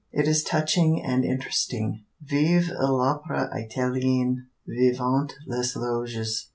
It is touching and interesting. _Vive l'opera italienne! Vivent les loges!